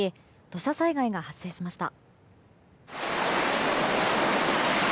土砂災害が発生しました。